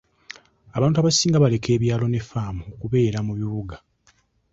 Abantu abasinga baleka ebyalo ne ffaamu okubeera mu bibuga.